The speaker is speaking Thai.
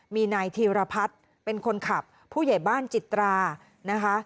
มีนายธีรพัฒน์เป็นคนขับผู้ใหญ่บ้านจิตรานะคะ